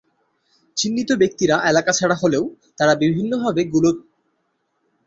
চিহ্নিত ব্যক্তিরা এলাকাছাড়া হলেও তাঁরা বিভিন্নভাবে গুজব ছড়িয়ে আতঙ্ক সৃষ্টি করছেন।